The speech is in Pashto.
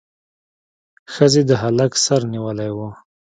ښځې د هلک سر نیولی و.